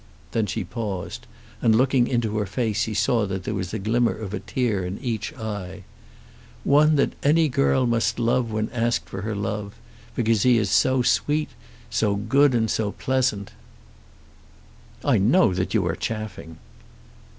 Then she paused, and looking into her face he saw that there was a glimmer of a tear in each eye. "One that any girl must love when asked for her love; because he is so sweet, so good, and so pleasant." "I know that you are chaffing."